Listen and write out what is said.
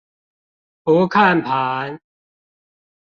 不看盤